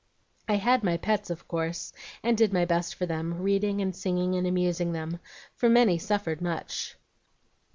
"I had my pets, of course, and did my best for them, reading and singing and amusing them, for many suffered very much.